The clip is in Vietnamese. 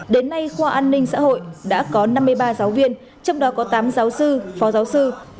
đến nay khoa an ninh xã hội đã có năm mươi ba giáo viên trong đó có tám giáo sư phó giáo sư một mươi bảy tiến sĩ